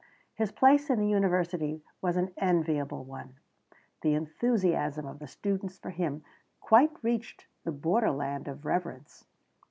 His place in the university was an enviable one. The enthusiasm of the students for him quite reached the borderland of reverence.